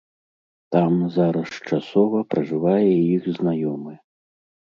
Там зараз часова пражывае іх знаёмы.